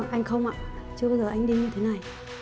anh không ạ chưa bao giờ anh đi như thế này